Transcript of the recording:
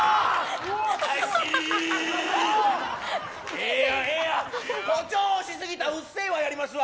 えーやん、えーやん、誇張しすぎたうっせぇやりますわ。